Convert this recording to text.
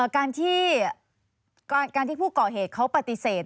ค่ะการที่ผู้ก่อเหตุเขาปฏิเสธ